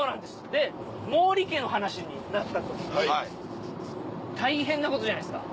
で毛利家の話になった時に大変なことじゃないですか。